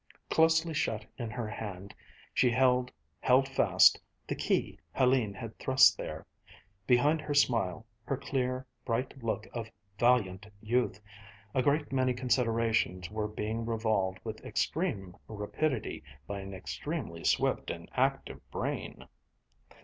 Closely shut in her hand, she held, held fast, the key Hélène had thrust there. Behind her smile, her clear, bright look of valiant youth, a great many considerations were being revolved with extreme rapidity by an extremely swift and active brain.